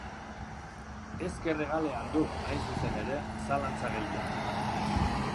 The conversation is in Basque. Ezker hegalean du, hain zuzen ere, zalantza gehien.